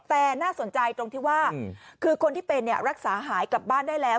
แต่น่าสนใจตรงที่ว่าคือคนที่เป็นรักษาหายกลับบ้านได้แล้ว